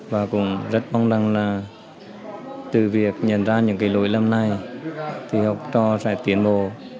và cũng rất mong rằng là từ việc nhận ra những cái lỗi lầm này thì học trò sẽ tiến bộ